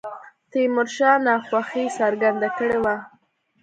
تیمور شاه ناخوښي څرګنده کړې وه.